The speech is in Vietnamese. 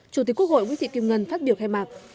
chủ tịch quốc hội nguyễn thị kim ngân phát biểu khai mạc